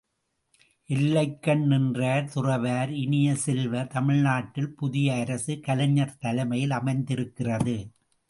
எல்லைக்கண் நின்றார் துறவார் இனிய செல்வ, தமிழ் நாட்டில் புதிய அரசு, கலைஞர் தலைமையில் அமைந்திருக்கிறது.